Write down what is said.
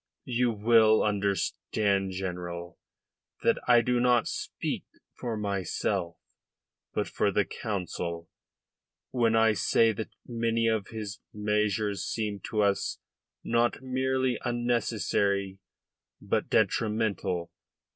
You will understand, General, that I do not speak for myself, but for the Council, when I say that many of his measures seem to us not merely unnecessary, but detrimental.